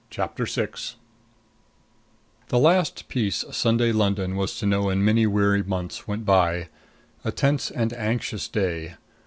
CHAPTER VI The last peace Sunday London was to know in many weary months went by, a tense and anxious day.